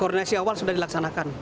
koordinasi awal sudah dilaksanakan